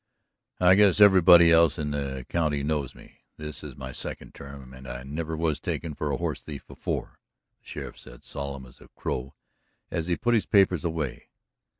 "I guess everybody else in the county knows me this is my second term, and I never was taken for a horse thief before," the sheriff said, solemn as a crow, as he put his papers away.